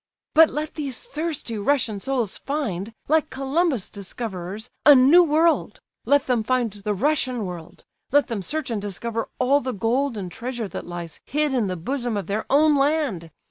"But let these thirsty Russian souls find, like Columbus' discoverers, a new world; let them find the Russian world, let them search and discover all the gold and treasure that lies hid in the bosom of their own land!